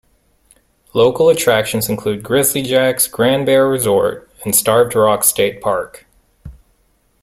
Local attractions include Grizzly Jack's Grand Bear Resort and Starved Rock State Park.